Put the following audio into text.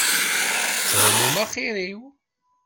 Tettɛummum axiṛ-iw.